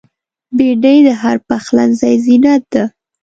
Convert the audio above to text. بېنډۍ د هر پخلنځي زینت ده